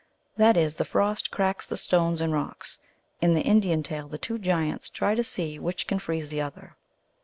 That is, the frost cracks the stones and rocks. In the Indian tale the two giants try to see which can freeze the other.